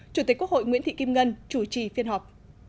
chủ tịch quốc hội nguyễn thị kim ngân chủ trì phiên họp